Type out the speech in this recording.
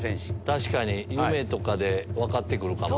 確かに夢とかで分かるかもね。